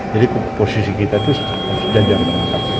jadi posisi kita itu sejajar dengan kpu